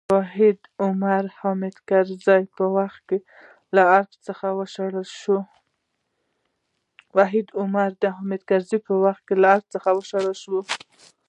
وحید عمر د حامد کرزي په وخت کې له ارګه وشړل شو.